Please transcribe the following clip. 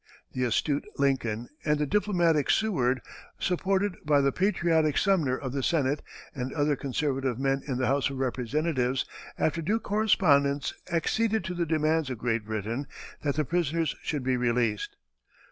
The astute Lincoln and the diplomatic Seward, supported by the patriotic Sumner in the Senate, and other conservative men in the House of Representatives, after due correspondence acceded to the demands of Great Britain that the prisoners should be released.